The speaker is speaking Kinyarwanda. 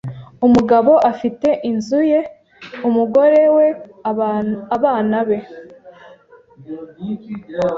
umugabo afite inzu ye umugore we abana be